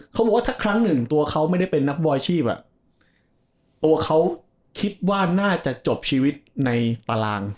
เขาบอกว่าถ้าครั้งหนึ่งตัวเขาไม่ได้เป็นนักบอลอาชีพตัวเขาคิดว่าน่าจะจบชีวิตในตาราง